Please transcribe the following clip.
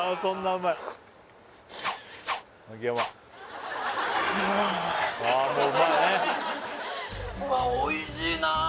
うわおいしいなあ！